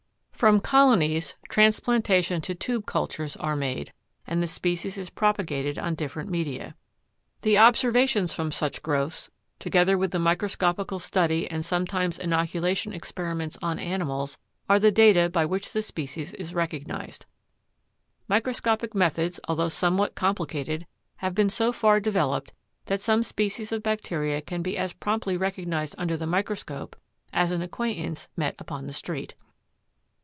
From colonies transplantations to tube cultures are made, and the species is propagated on different media. The observations from such growths, together with the microscopical study and sometimes inoculation experiments on animals are the data by which the species is recognized. Microscopic methods, although somewhat complicated have been so far developed that some species of bacteria can be as promptly recognized under the microscope as an acquaintance met upon the street.